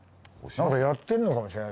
何かやってるのかもしれない。